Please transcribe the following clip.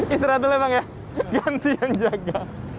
istirahat dulu emang ya ganti yang jaga